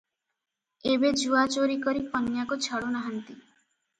ଏବେ ଜୁଆଚୋରୀ କରି କନ୍ୟାକୁ ଛାଡ଼ୁ ନାହାନ୍ତି ।